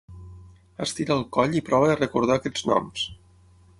Estira el coll i prova de recordar aquests noms.